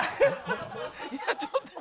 いやちょっと。